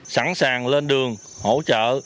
sẵn sàng lên đường hỗ trợ